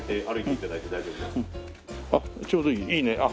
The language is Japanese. あっちょうどいいいいね。